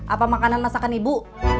apa makanan masakan ibu